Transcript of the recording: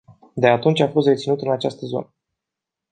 De atunci a fost reținut în această zonă.